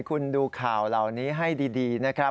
คุณดูข่าวเหล่านี้ให้ดีนะครับ